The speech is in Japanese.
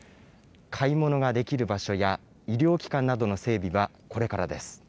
買い物ができる場所や医療機関などの整備はこれからです。